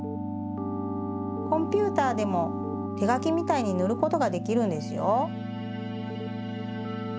コンピューターでもてがきみたいにぬることができるんですよ。